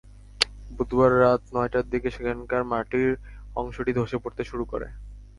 বুধবার রাত নয়টার দিকে সেখানকার মাটির অংশটি ধসে পড়তে শুরু করে।